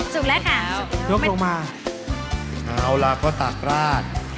สุกแล้วค่ะยกลงมาเอาล่ะก็ตักราด